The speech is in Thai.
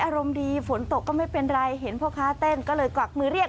อารมณ์ดีฝนตกก็ไม่เป็นไรเห็นพ่อค้าเต้นก็เลยกวักมือเรียก